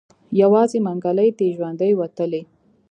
يوازې منګلی تې ژوندی وتی.